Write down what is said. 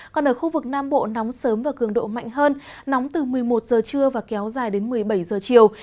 còn ở khu vực nam bộ nóng sớm và cường độ mạnh hơn nóng từ một mươi một giờ trưa và kéo dài đến một mươi bảy giờ chiều